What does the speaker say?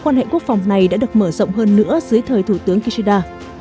nghệ quốc phòng này đã được mở rộng hơn nữa dưới thời thủ tướng kishida